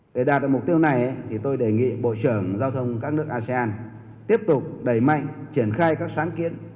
để đạt được mục tiêu này tôi đề nghị bộ trưởng giao thông các nước asean tiếp tục đẩy mạnh triển khai các sáng kiến